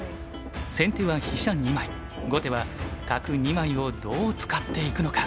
先手は飛車２枚後手は角２枚をどう使っていくのか。